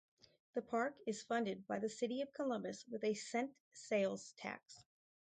The park is funded by the City of Columbus with a -cent sales tax.